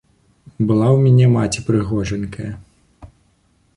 Была ў мяне маці прыгожанькая.